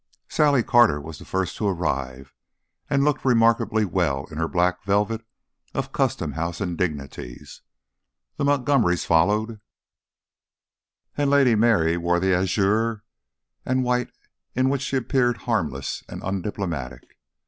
Sally Carter was the first to arrive, and looked remarkably well in her black velvet of Custom House indignities. The Montgomerys followed, and Lady Mary wore the azure and white in which she appeared harmless and undiplomatic.